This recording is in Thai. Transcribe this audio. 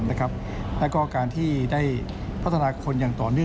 แล้วก็การที่ได้พัฒนาคนอย่างต่อเนื่อง